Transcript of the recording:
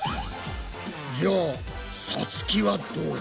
じゃあさつきはどうだ？